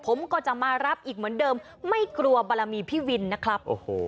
ผมก็จะมารับอีกเหมือนเดิมไม่กลัวบารมีพี่วินนะครับโอ้โห